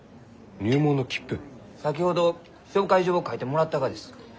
先ほど紹介状を書いてもらったがです。